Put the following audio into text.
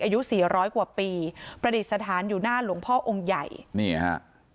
อายุสี่ร้อยกว่าปีประดิษฐานอยู่หน้าหลวงพ่อองค์ใหญ่นี่ฮะ